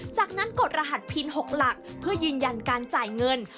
จากนั้นกดรหัสพิน๖หลักเพื่อยืนยันการจ่ายเงิน